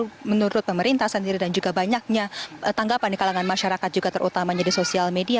tapi menurut pemerintah sendiri dan juga banyaknya tanggapan di kalangan masyarakat juga terutamanya di sosial media